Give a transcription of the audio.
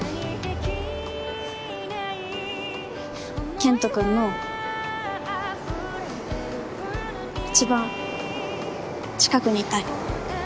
健人君の一番近くにいたい。